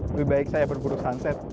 lebih baik saya berburu sunset